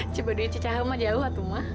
cibaduyut cicahem mah jauh tuh mah